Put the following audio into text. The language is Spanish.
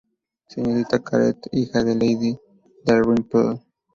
Señorita Carteret: hija de lady Dalrymple.